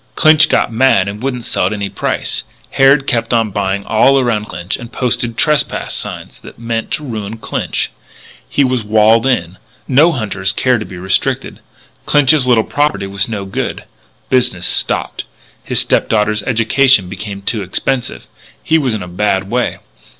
Clinch got mad and wouldn't sell at any price. Harrod kept on buying all around Clinch and posted trespass notices. That meant ruin to Clinch. He was walled in. No hunters care to be restricted. Clinch's little property was no good. Business stopped. His stepdaughter's education became expensive. He was in a bad way.